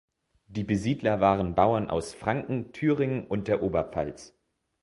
Die Besiedler waren Bauern aus Franken, Thüringen und der Oberpfalz.